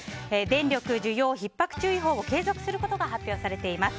電力需給ひっ迫注意報を継続することが発表されています。